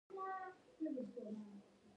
څو تنه یې له نظر بندۍ څخه وتښتېدل.